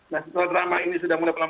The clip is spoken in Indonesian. nah setelah drama ini sudah mudah